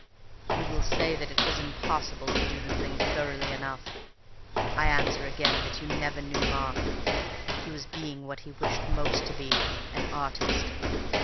"You will say that it was impossible to do the thing thoroughly enough. I answer again that you never knew Mark. He was being what he wished most to be—an artist.